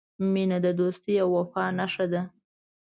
• مینه د دوستۍ او وفا نښه ده.